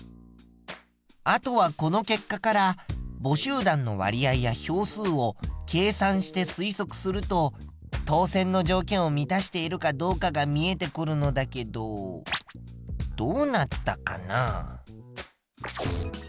あとはこの結果から母集団の割合や票数を計算して推測すると当選の条件を満たしているかどうかが見えてくるのだけどどうなったかな？